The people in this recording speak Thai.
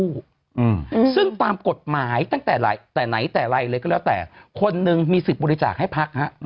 อืมซึ่งตามกฎหมายตั้งแต่ไหนแต่ไรเลยก็แล้วแต่คนหนึ่งมีสิทธิ์บริจาคให้พักฮะ